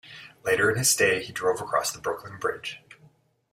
Later in his stay, he drove across the Brooklyn Bridge.